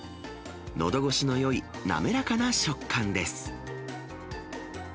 のどごしのよい滑らかな食感です。